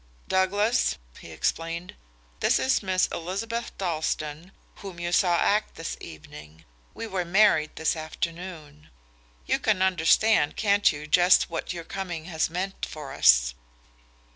"Douglas," he explained, "this is Miss Elizabeth Dalstan, whom you saw act this evening. We were married this afternoon. You can understand, can't you, just what your coming has meant for us?"